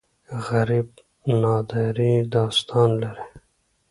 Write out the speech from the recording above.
غریب د نادارۍ داستان لري